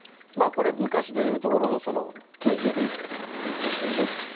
これ、昔でいうところのＫＧＢですよね。